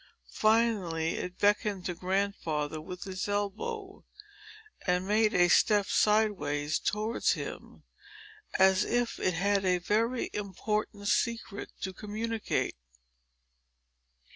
Finally, it beckoned to Grandfather with its elbow, and made a step sideways towards him, as if it had a very important secret to communicate.